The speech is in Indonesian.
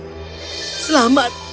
oh terima kasih terima kasih semuanya